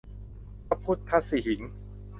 พระพุทธสิหิงค์